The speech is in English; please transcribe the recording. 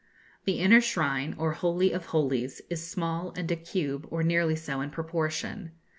The inner shrine, or Holy of Holies, is small, and a cube, or nearly so, in proportion.